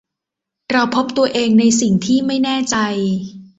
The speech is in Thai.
เราพบตัวเองในสิ่งที่ไม่แน่ใจ